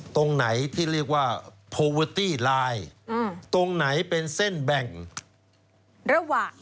ตรงไหนที่เรียกว่าโพเวอร์ตี้ไลน์ตรงไหนเป็นเส้นแบ่งระหว่าง